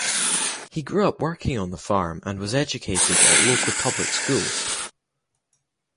He grew up working on the farm and was educated at local public schools.